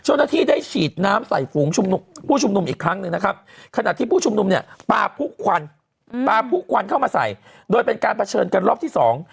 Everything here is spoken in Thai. เจ้าหน้าที่ได้ฉีดน้ำใส่ฝูงชุมนุมผู้ชุมนุมอีกครั้งหนึ่งนะครับขณะที่ผู้ชุมนุมเนี่ยปลาผู้ควันปลาผู้ควันเข้ามาใส่โดยเป็นการเผชิญกันรอบที่สอง